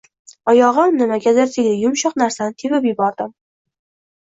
Oyog`im nimagadir tegdi, yumshoq narsani tepib yubordim